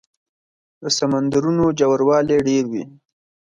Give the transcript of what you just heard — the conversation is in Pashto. د سمندرونو ژوروالی ډېر وي.